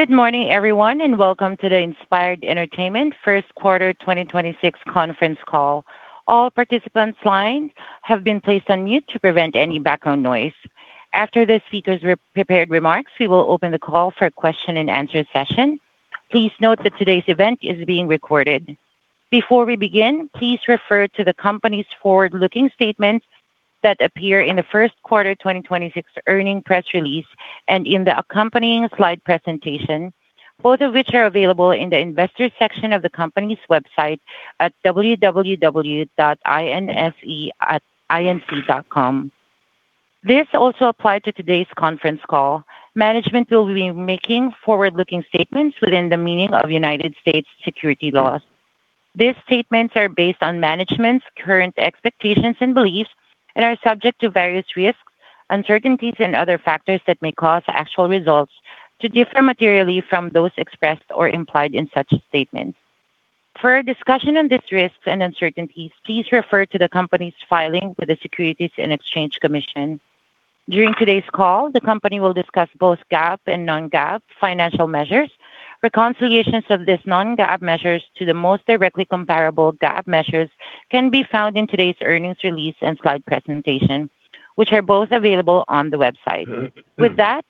Good morning, everyone, and welcome to the Inspired Entertainment first quarter 2026 conference call. All participants' lines have been placed on mute to prevent any background noise. After the speakers re-prepared remarks, we will open the call for a question-and-answer session. Please note that today's event is being recorded. Before we begin, please refer to the company's forward-looking statements that appear in the first quarter 2026 earnings press release and in the accompanying slide presentation, both of which are available in the Investors section of the company's website at www.inseinc.com. This also applied to today's conference call. Management will be making forward-looking statements within the meaning of United States securities laws. These statements are based on management's current expectations and beliefs and are subject to various risks, uncertainties, and other factors that may cause actual results to differ materially from those expressed or implied in such statements. For a discussion on these risks and uncertainties, please refer to the company's filing with the Securities and Exchange Commission. During today's call, the company will discuss both GAAP and non-GAAP financial measures. Reconciliations of these non-GAAP measures to the most directly comparable GAAP measures can be found in today's earnings release and slide presentation, which are both available on the website. With that,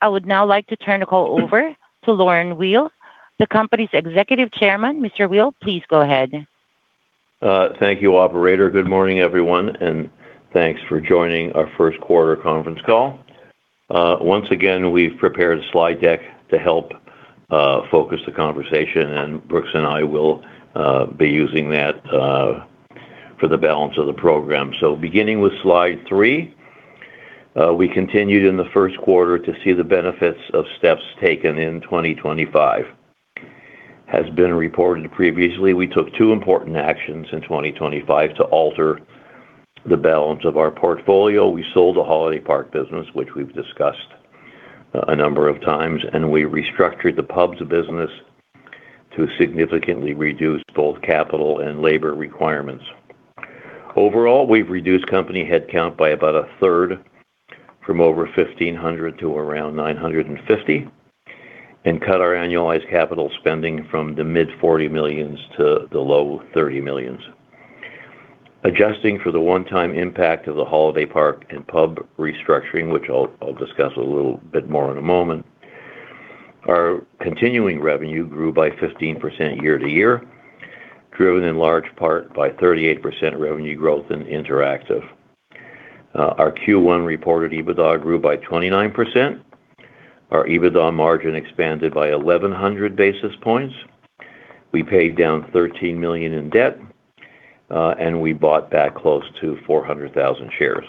I would now like to turn the call over to Lorne Weil, the company's Executive Chairman. Mr. Weil, please go ahead. Thank you, operator. Good morning, everyone, and thanks for joining our first quarter conference call. Once again, we've prepared a slide deck to help focus the conversation, and Brooks and I will be using that for the balance of the program. Beginning with slide three, we continued in the first quarter to see the benefits of steps taken in 2025. As been reported previously, we took two important actions in 2025 to alter the balance of our portfolio. We sold the holiday park business, which we've discussed a number of times, and we restructured the pub's business to significantly reduce both capital and labor requirements. Overall, we've reduced company headcount by about a third from over 1,500 to around 950 and cut our annualized capital spending from the mid $40 million to the low $30 million. Adjusting for the one-time impact of the holiday park and pub restructuring, which I'll discuss a little bit more in a moment, our continuing revenue grew by 15% year-to-year, driven in large part by 38% revenue growth in Interactive. Our Q1 reported EBITDA grew by 29%. Our EBITDA margin expanded by 1,100 basis points. We paid down $13 million in debt, and we bought back close to 400,000 shares.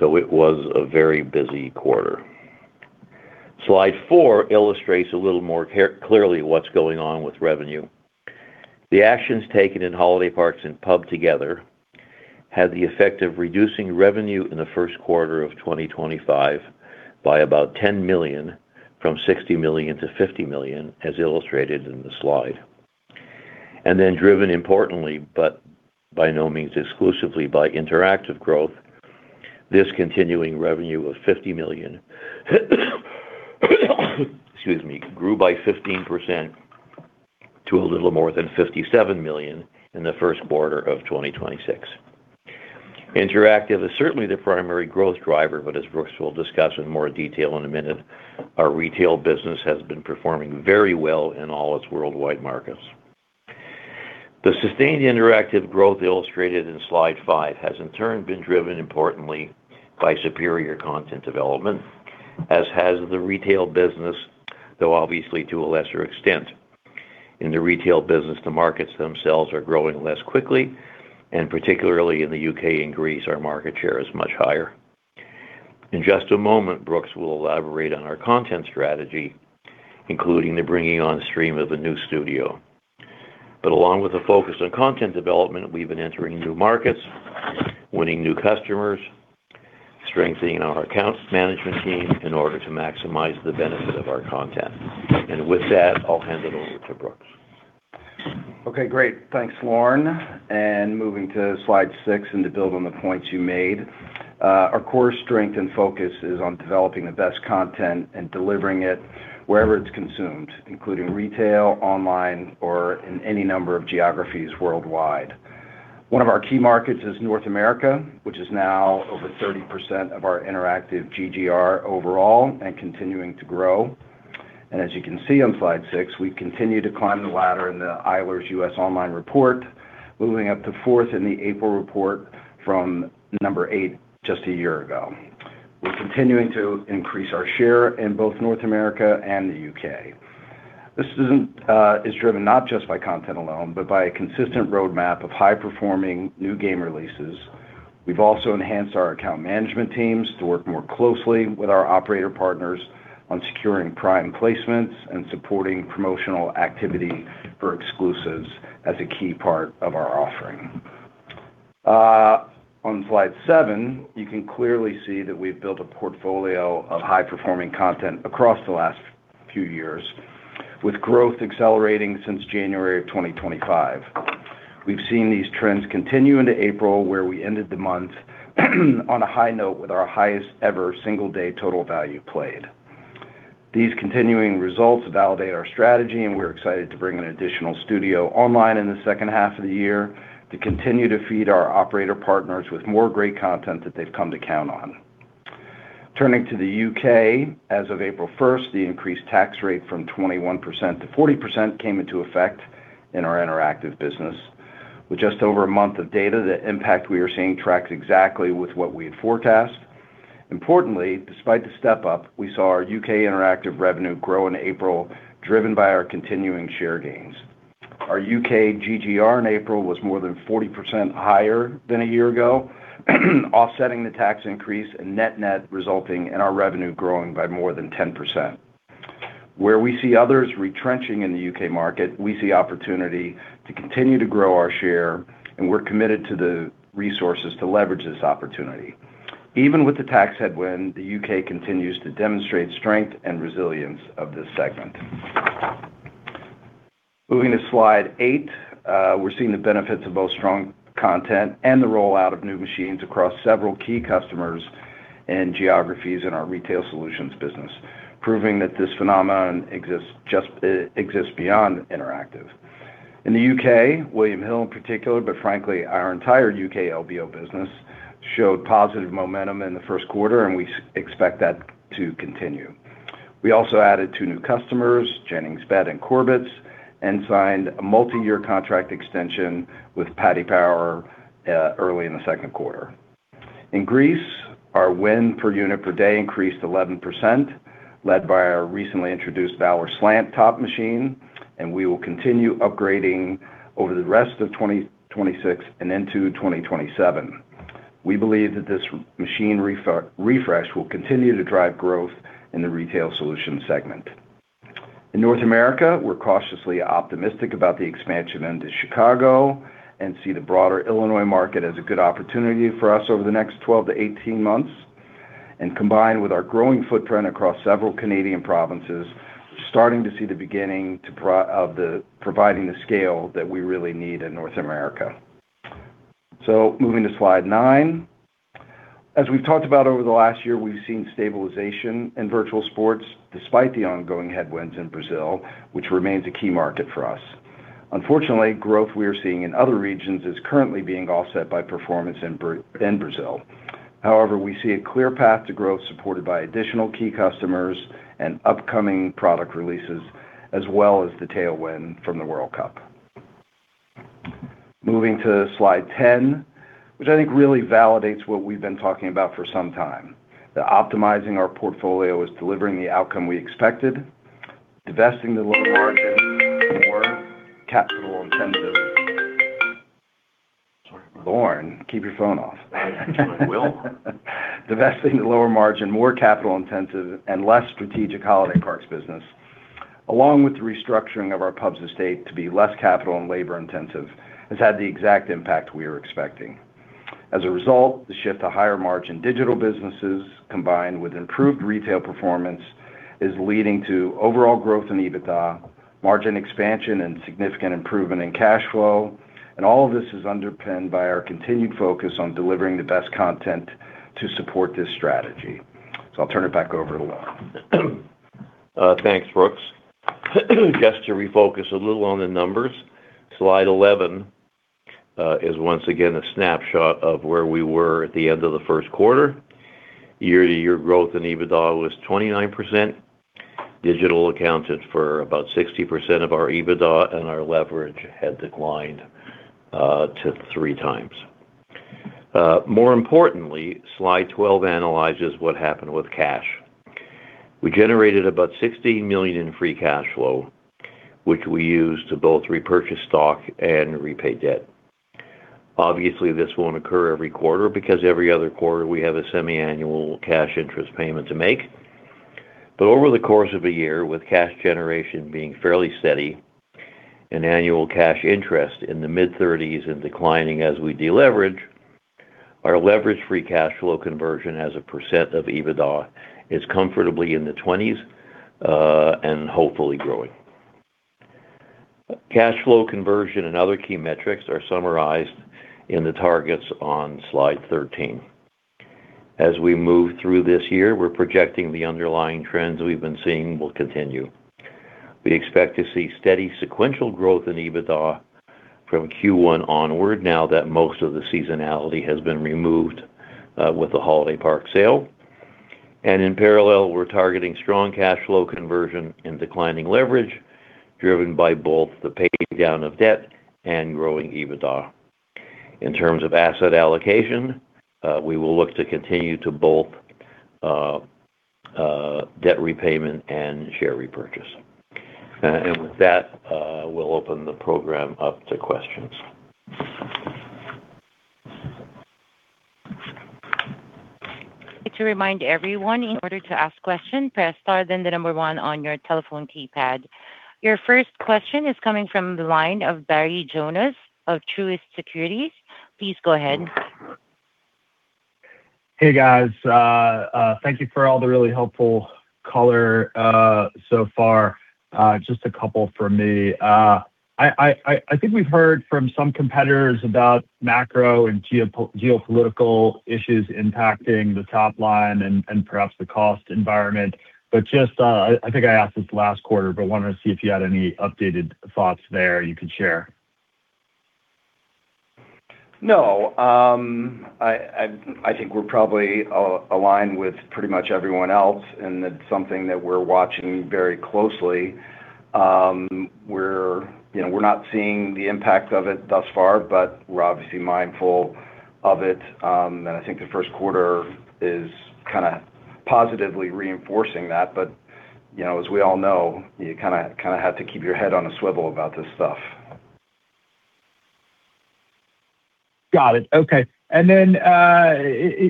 It was a very busy quarter. Slide four illustrates a little more clearly what's going on with revenue. The actions taken in holiday parks and pub together had the effect of reducing revenue in the first quarter of 2025 by about $10 million from $60 million-$50 million, as illustrated in the slide. Driven importantly, but by no means exclusively by Interactive growth, this continuing revenue of $50 million, excuse me, grew by 15% to a little more than $57 million in the first quarter of 2026. Interactive is certainly the primary growth driver, but as Brooks will discuss in more detail in a minute, our retail business has been performing very well in all its worldwide markets. The sustained Interactive growth illustrated in slide five has in turn been driven importantly by superior content development, as has the retail business, though obviously to a lesser extent. In the retail business, the markets themselves are growing less quickly, and particularly in the U.K. and Greece, our market share is much higher. In just a moment, Brooks will elaborate on our content strategy, including the bringing on stream of a new studio. Along with the focus on content development, we've been entering new markets, winning new customers, strengthening our accounts management team in order to maximize the benefit of our content. With that, I'll hand it over to Brooks. Okay, great. Thanks, Lorne. Moving to slide six and to build on the points you made. Our core strength and focus is on developing the best content and delivering it wherever it's consumed, including retail, online, or in any number of geographies worldwide. One of our key markets is North America, which is now over 30% of our Interactive GGR overall and continuing to grow. As you can see on slide six, we continue to climb the ladder in the Eilers U.S. online report, moving up to fourth in the April report from number eight just a year ago. We're continuing to increase our share in both North America and the U.K. This isn't driven not just by content alone, but by a consistent roadmap of high-performing new game releases. We've also enhanced our account management teams to work more closely with our operator partners on securing prime placements and supporting promotional activity for exclusives as a key part of our offering. On slide seven, you can clearly see that we've built a portfolio of high-performing content across the last few years. With growth accelerating since January of 2025. We've seen these trends continue into April, where we ended the month on a high note with our highest ever single day total value played. These continuing results validate our strategy, and we're excited to bring an additional studio online in the second half of the year to continue to feed our operator partners with more great content that they've come to count on. Turning to the U.K., as of April 1st, the increased tax rate from 21%-40% came into effect in our Interactive business. With just over a month of data, the impact we are seeing tracks exactly with what we had forecast. Importantly, despite the step up, we saw our U.K. Interactive revenue grow in April, driven by our continuing share gains. Our U.K. GGR in April was more than 40% higher than a year ago, offsetting the tax increase and net-net resulting in our revenue growing by more than 10%. Where we see others retrenching in the U.K. market, we see opportunity to continue to grow our share, and we're committed to the resources to leverage this opportunity. Even with the tax headwind, the U.K. continues to demonstrate strength and resilience of this segment. Moving to slide eight. We're seeing the benefits of both strong content and the rollout of new machines across several key customers and geographies in our retail solutions business, proving that this phenomenon exists beyond Interactive. In the U.K., William Hill in particular, but frankly our entire U.K. LBO business, showed positive momentum in the first quarter, and we expect that to continue. We also added two new customers, Jenningsbet and Corbetts, and signed a multiyear contract extension with Paddy Power early in the second quarter. In Greece, our win per unit per day increased 11%, led by our recently introduced Valor Slant Top machine, and we will continue upgrading over the rest of 2026 and into 2027. We believe that this machine refresh will continue to drive growth in the retail solutions segment. In North America, we're cautiously optimistic about the expansion into Chicago and see the broader Illinois market as a good opportunity for us over the next 12-18 months. Combined with our growing footprint across several Canadian provinces, starting to see the beginning of the providing the scale that we really need in North America. Moving to slide nine. As we've talked about over the last year, we've seen stabilization in virtual sports despite the ongoing headwinds in Brazil, which remains a key market for us. Unfortunately, growth we are seeing in other regions is currently being offset by performance in Brazil. However, we see a clear path to growth supported by additional key customers and upcoming product releases, as well as the tailwind from the World Cup. Moving to slide 10, which I think really validates what we've been talking about for some time, that optimizing our portfolio is delivering the outcome we expected. Divesting the lower margin, more capital-intensive. Sorry about that. Lorne, keep your phone off. I will. Divesting the lower margin, more capital-intensive and less strategic holiday parks business, along with the restructuring of our pubs estate to be less capital and labor-intensive, has had the exact impact we were expecting. As a result, the shift to higher margin digital businesses, combined with improved retail performance, is leading to overall growth in EBITDA, margin expansion and significant improvement in cash flow. All of this is underpinned by our continued focus on delivering the best content to support this strategy. I'll turn it back over to Lorne. Thanks, Brooks. Just to refocus a little on the numbers. Slide 11 is once again a snapshot of where we were at the end of the first quarter. Year-over-year growth in EBITDA was 29%. Digital accounted for about 60% of our EBITDA, and our leverage had declined to 3x. More importantly, slide 12 analyzes what happened with cash. We generated about $60 million in free cash flow, which we used to both repurchase stock and repay debt. Obviously, this won't occur every quarter because every other quarter we have a semi-annual cash interest payment to make. Over the course of a year, with cash generation being fairly steady and annual cash interest in the mid-30s and declining as we deleverage, our leverage-free cash flow conversion as a percent of EBITDA is comfortably in the 20s and hopefully growing. Cash flow conversion and other key metrics are summarized in the targets on Slide 13. As we move through this year, we're projecting the underlying trends we've been seeing will continue. We expect to see steady sequential growth in EBITDA from Q1 onward now that most of the seasonality has been removed with the holiday park sale. In parallel, we're targeting strong cash flow conversion and declining leverage driven by both the paydown of debt and growing EBITDA. In terms of asset allocation, we will look to continue to both debt repayment and share repurchase. With that, we'll open the program up to questions. To remind everyone, in order to ask question, press star then the number one on your telephone keypad. Your first question is coming from the line of Barry Jonas of Truist Securities. Please go ahead. Hey, guys. Thank you for all the really helpful color so far. Just a couple from me. I think we've heard from some competitors about macro and geopolitical issues impacting the top line and perhaps the cost environment, just I think I asked this last quarter, wanted to see if you had any updated thoughts there you could share. No. I think we're probably aligned with pretty much everyone else, and it's something that we're watching very closely. We're, you know, we're not seeing the impact of it thus far, but we're obviously mindful of it. I think the first quarter is kinda positively reinforcing that. You know, as we all know, you kinda have to keep your head on a swivel about this stuff. Got it. Okay. Then,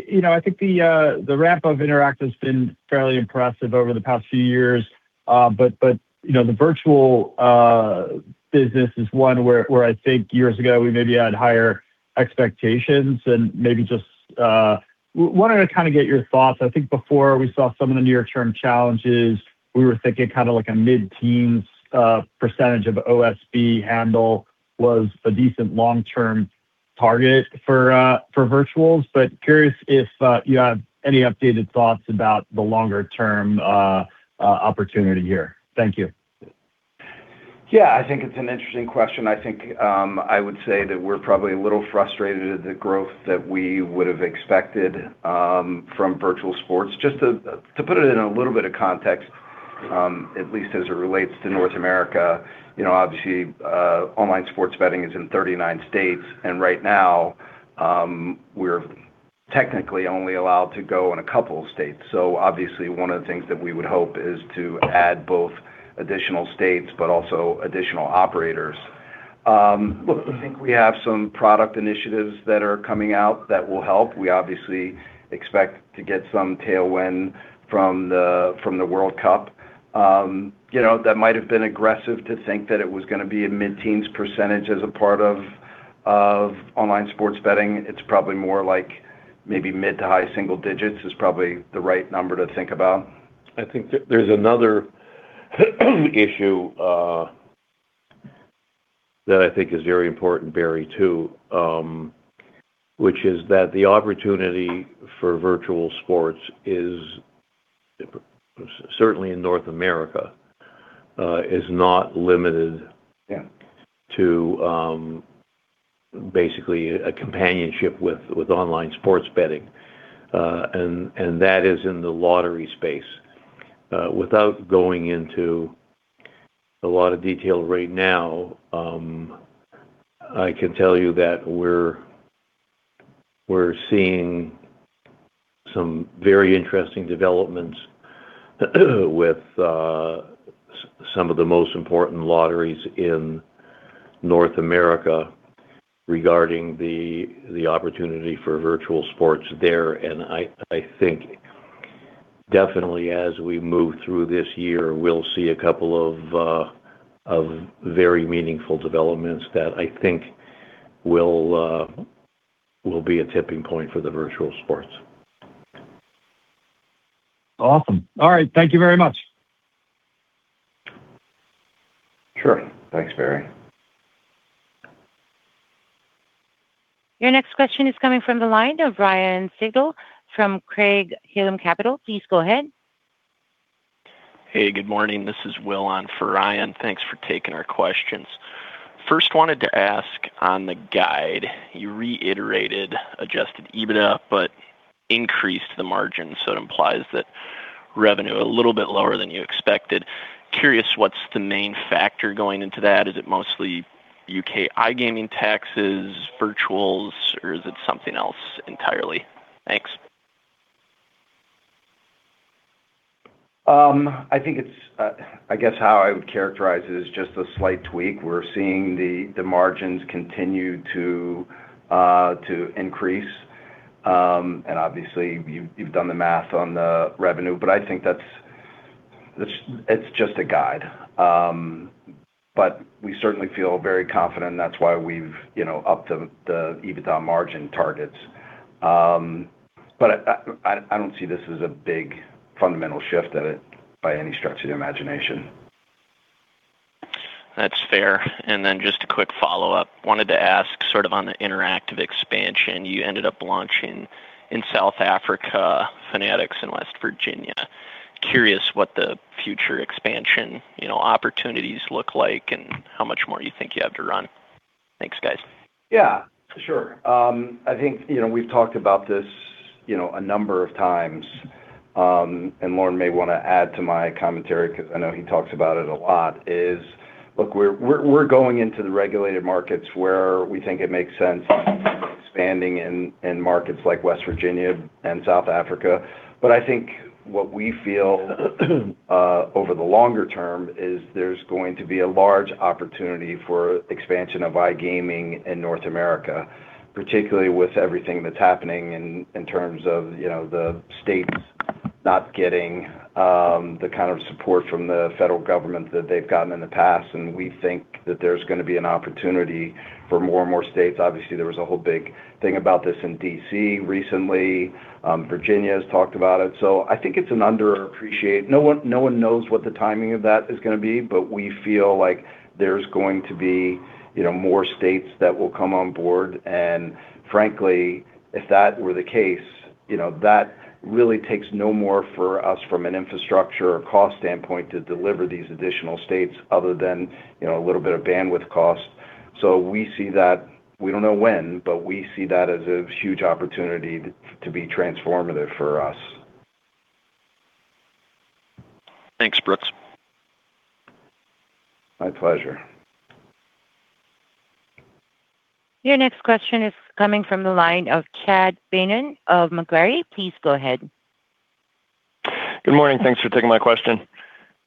you know, I think the ramp of Interactive's been fairly impressive over the past few years. You know, the Virtual business is one where I think years ago we maybe had higher expectations and maybe just wanted to kind of get your thoughts. I think before we saw some of the near-term challenges, we were thinking kind of like a mid-teens percentage of OSB handle was a decent long-term target for Virtuals. Curious if you have any updated thoughts about the longer-term opportunity here? Thank you. Yeah, I think it's an interesting question. I think, I would say that we're probably a little frustrated at the growth that we would have expected from Virtual Sports. Just to put it in a little bit of context, at least as it relates to North America, you know, obviously, online sports betting is in 39 states, and right now, we're technically only allowed to go in a couple of states. Obviously one of the things that we would hope is to add both additional states, but also additional operators. Look, I think we have some product initiatives that are coming out that will help. We obviously expect to get some tailwind from the World Cup. You know, that might have been aggressive to think that it was gonna be a mid-teens percentage as a part of online sports betting. It's probably more like maybe mid to high single digits is probably the right number to think about. I think there's another issue, that I think is very important, Barry, too, which is that the opportunity for Virtual Sports is, certainly in North America, is not limited. Yeah to basically a companionship with online sports betting. That is in the lottery space. Without going into a lot of detail right now, I can tell you that we're seeing some very interesting developments with some of the most important lotteries in North America regarding the opportunity for Virtual Sports there. I think definitely as we move through this year, we'll see a couple of very meaningful developments that I think will be a tipping point for the Virtual Sports. Awesome. All right. Thank you very much. Sure. Thanks, Barry. Your next question is coming from the line of Ryan Sigdahl from Craig-Hallum Capital. Please go ahead. Hey, good morning. This is Will Yager on for Ryan Sigdahl. Thanks for taking our questions. First wanted to ask on the guide, you reiterated adjusted EBITDA, but increased the margin, so it implies that revenue a little bit lower than you expected. Curious what's the main factor going into that? Is it mostly U.K. iGaming taxes, virtuals, or is it something else entirely? Thanks. I think it's, I guess how I would characterize it is just a slight tweak. We're seeing the margins continue to increase. Obviously you've done the math on the revenue, but I think that's, it's just a guide. We certainly feel very confident. That's why we've, you know, upped the EBITDA margin targets. I, I don't see this as a big fundamental shift in it by any stretch of the imagination. That's fair. Just a quick follow-up. I wanted to ask sort of on the Interactive expansion, you ended up launching in South Africa Fanatics in West Virginia. I am curious what the future expansion, you know, opportunities look like and how much more you think you have to run. Thanks, guys. Yeah. Sure. I think, you know, we've talked about this, you know, a number of times, and Lorne may wanna add to my commentary because I know he talks about it a lot, is, look, we're going into the regulated markets where we think it makes sense expanding in markets like West Virginia and South Africa. I think what we feel over the longer term is there's gonna be a large opportunity for expansion of iGaming in North America, particularly with everything that's happening in terms of, you know, the states not getting the kind of support from the federal government that they've gotten in the past, and we think that there's gonna be an opportunity for more and more states. Obviously, there was a whole big thing about this in D.C. recently. Virginia has talked about it. I think it's an underappreciated. No one knows what the timing of that is gonna be, but we feel like there's going to be, you know, more states that will come on board. Frankly, if that were the case, you know, that really takes no more for us from an infrastructure or cost standpoint to deliver these additional states other than, you know, a little bit of bandwidth cost. We don't know when, but we see that as a huge opportunity to be transformative for us. Thanks, Brooks. My pleasure. Your next question is coming from the line of Chad Beynon of Macquarie. Please go ahead. Good morning. Thanks for taking my question.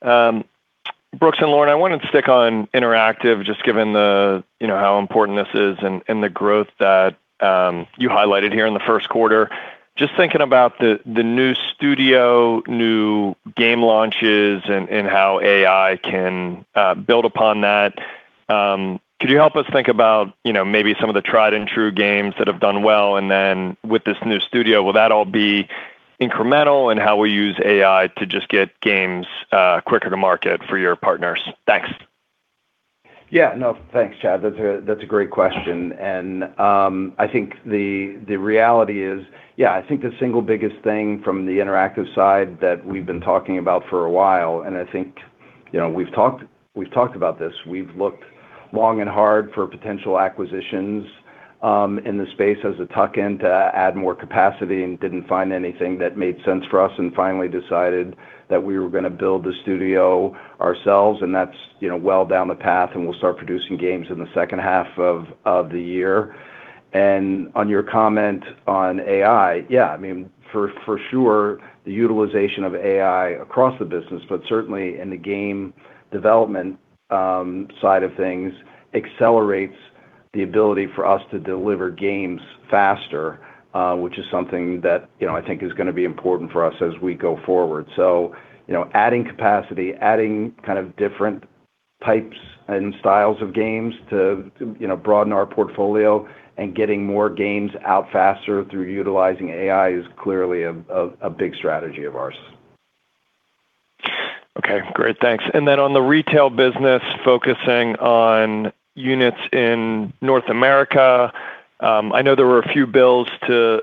Brooks and Lorne, I wanted to stick on Interactive, just given the, you know, how important this is and the growth that you highlighted here in the first quarter. Just thinking about the new studio, new game launches and how AI can build upon that, could you help us think about, you know, maybe some of the tried and true games that have done well? Then with this new studio, will that all be incremental in how we use AI to just get games quicker to market for your partners? Thanks. Yeah, no, thanks, Chad. That's a great question. I think the reality is, yeah, I think the single biggest thing from the Interactive side that we've been talking about for a while, I think, you know, we've talked about this. We've looked long and hard for potential acquisitions in the space as a tuck-in to add more capacity and didn't find anything that made sense for us, and finally decided that we were gonna build the studio ourselves, and that's, you know, well down the path, and we'll start producing games in the 2nd half of the year. On your comment on AI, yeah, I mean, for sure, the utilization of AI across the business, but certainly in the game development side of things accelerates the ability for us to deliver games faster, which is something that, you know, I think is gonna be important for us as we go forward. You know, adding capacity, adding kind of different types and styles of games to, you know, broaden our portfolio and getting more games out faster through utilizing AI is clearly a big strategy of ours. Okay. Great. Thanks. On the retail business, focusing on units in North America, I know there were a few bills to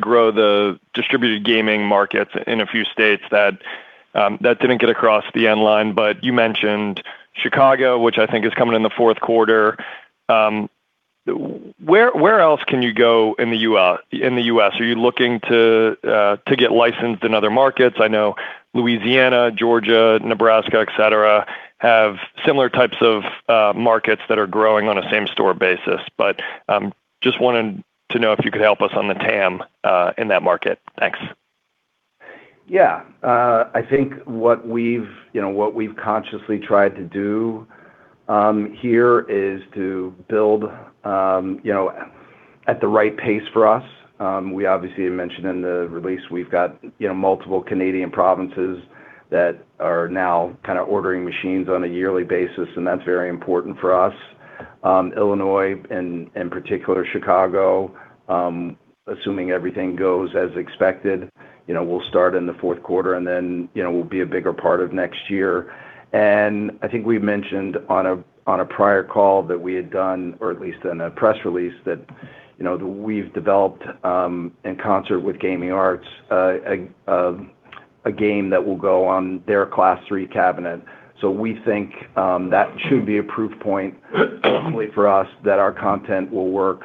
grow the distributed gaming markets in a few states that didn't get across the end line. You mentioned Chicago, which I think is coming in the fourth quarter. Where else can you go in the U.S.? Are you looking to get licensed in other markets? I know Louisiana, Georgia, Nebraska, et cetera, have similar types of markets that are growing on a same-store basis. Just wanting to know if you could help us on the TAM in that market. Thanks. Yeah. I think what we've, you know, what we've consciously tried to do, here is to build, you know, at the right pace for us. We obviously mentioned in the release we've got, you know, multiple Canadian provinces that are now kind of ordering machines on a yearly basis, and that's very important for us. Illinois and, in particular Chicago, assuming everything goes as expected, you know, we'll start in the fourth quarter and then, you know, we'll be a bigger part of next year. I think we mentioned on a prior call that we had done, or at least in a press release, that, you know, that we've developed, in concert with Gaming Arts, a game that will go on their Class III cabinet. We think that should be a proof point hopefully for us that our content will work,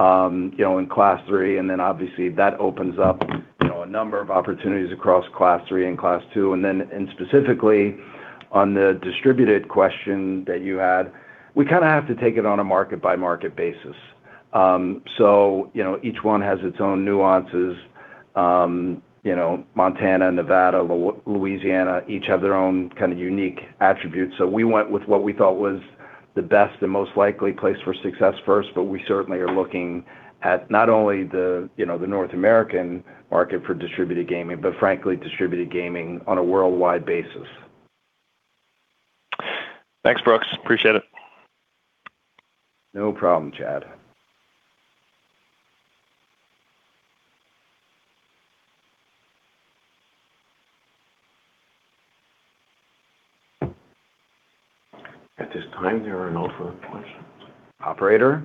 you know, in Class III. Obviously that opens up, you know, a number of opportunities across Class III and Class II. Specifically on the distributed question that you had, we kind of have to take it on a market-by-market basis. Each one has its own nuances. You know, Montana, Nevada, Louisiana each have their own kind of unique attributes. We went with what we thought was the best and most likely place for success first. We certainly are looking at not only the, you know, the North American market for distributed gaming, but frankly distributed gaming on a worldwide basis. Thanks, Brooks. Appreciate it. No problem, Chad. At this time, there are no further questions. Operator?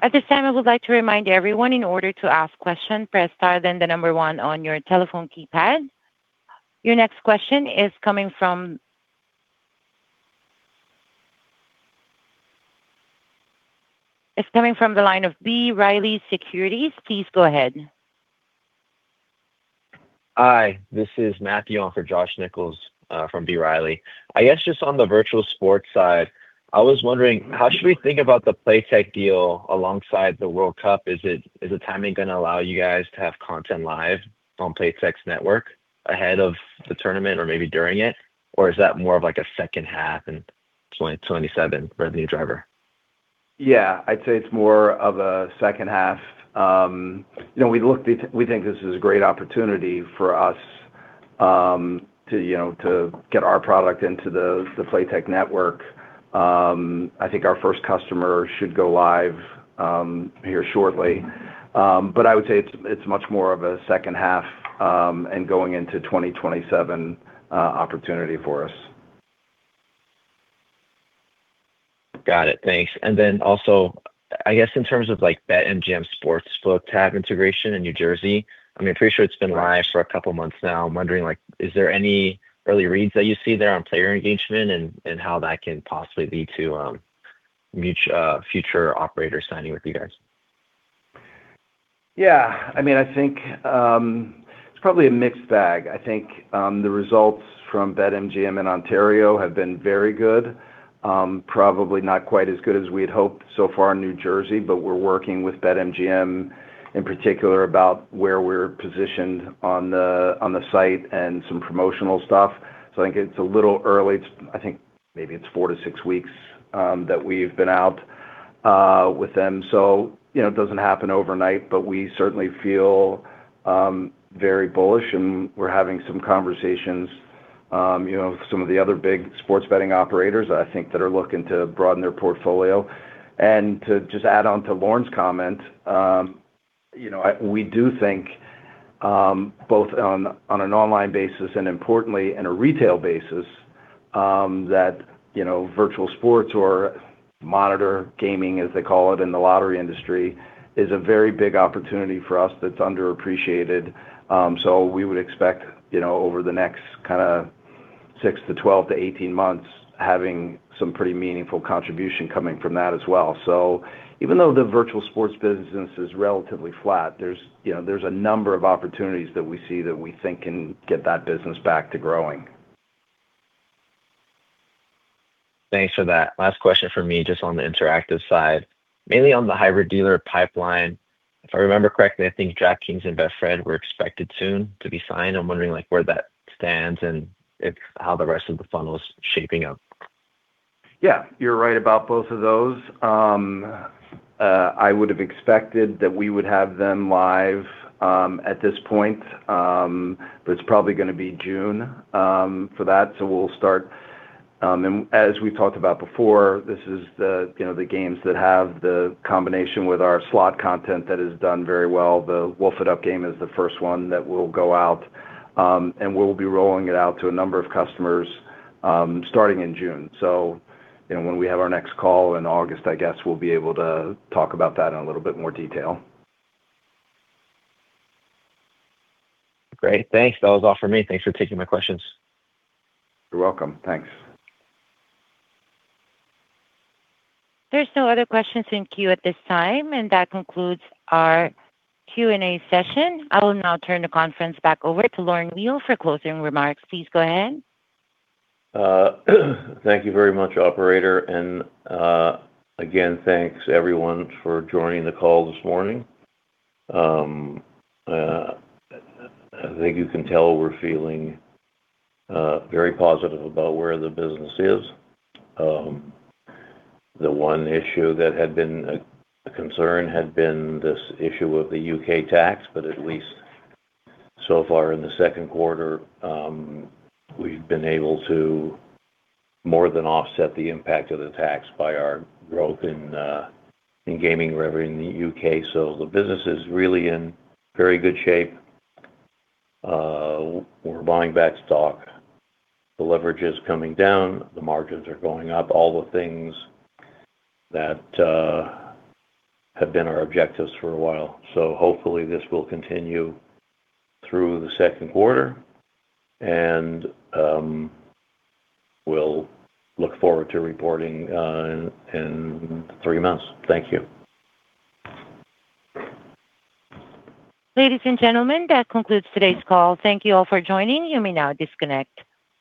At this time, I would like to remind everyone in order to ask question, press star then the number one on your telephone keypad. Your next question is coming from the line of B. Riley Securities. Please go ahead. Hi, this is [Matthew] on for Josh Nichols from B. Riley. I guess just on the Virtual Sports side, I was wondering how should we think about the Playtech deal alongside the World Cup? Is the timing going to allow you guys to have content live on Playtech's network ahead of the tournament or maybe during it? Is that more of like a second half 2027 revenue driver? Yeah, I'd say it's more of a second half. You know, we think this is a great opportunity for us, to, you know, to get our product into the Playtech network. I think our first customer should go live here shortly. I would say it's much more of a second half, and going into 2027, opportunity for us. Got it. Thanks. Also, I guess, in terms of, like, BetMGM Sportsbook tab integration in New Jersey, I mean, I'm pretty sure it's been live for a couple of months now. I'm wondering, like, is there any early reads that you see there on player engagement and how that can possibly lead to future operators signing with you guys? Yeah. I mean, I think, it's probably a mixed bag. I think, the results from BetMGM in Ontario have been very good. Probably not quite as good as we'd hoped so far in New Jersey, but we're working with BetMGM, in particular, about where we're positioned on the, on the site and some promotional stuff. I think it's a little early. I think maybe it's four-six weeks that we've been out with them. You know, it doesn't happen overnight, but we certainly feel very bullish, and we're having some conversations, you know, with some of the other big sports betting operators, I think, that are looking to broaden their portfolio. To just add on to Lorne's comment, we do think, both on an online basis and importantly in a retail basis, that virtual sports or monitor gaming, as they call it in the lottery industry, is a very big opportunity for us that's underappreciated. We would expect, over the next 6-12-18 months, having some pretty meaningful contribution coming from that as well. Even though the virtual sports business is relatively flat, there's a number of opportunities that we see that we think can get that business back to growing. Thanks for that. Last question for me, just on the Interactive side. Mainly on the Hybrid Dealer pipeline, if I remember correctly, I think Jackpot King and Betfred were expected soon to be signed. I'm wondering, like, where that stands and how the rest of the funnel is shaping up. Yeah, you're right about both of those. I would have expected that we would have them live at this point, but it's probably gonna be June for that. We'll start. As we talked about before, this is the, you know, the games that have the combination with our slot content that has done very well. The Wolf It Up! game is the first one that will go out. We'll be rolling it out to a number of customers starting in June. You know, when we have our next call in August, I guess we'll be able to talk about that in a little bit more detail. Great. Thanks. That was all for me. Thanks for taking my questions. You're welcome. Thanks. There's no other questions in queue at this time, and that concludes our Q&A session. I will now turn the conference back over to Lorne Weil for closing remarks. Please go ahead. Thank you very much, operator. Again, thanks everyone for joining the call this morning. I think you can tell we're feeling very positive about where the business is. The one issue that had been a concern had been this issue of the U.K. tax, but at least so far in the second quarter, we've been able to more than offset the impact of the tax by our growth in gaming revenue in the U.K. The business is really in very good shape. We're buying back stock, the leverage is coming down, the margins are going up, all the things that have been our objectives for a while. Hopefully this will continue through the second quarter, and we'll look forward to reporting in three months. Thank you. Ladies and gentlemen, that concludes today's call. Thank you all for joining. You may now disconnect.